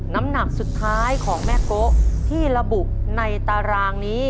น้ำหนักสุดท้ายของแม่โกะที่ระบุในตารางนี้